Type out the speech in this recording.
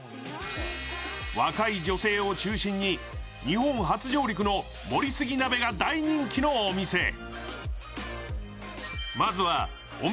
若い女性を中心に日本初上陸の盛りすぎ鍋が大人気のお店。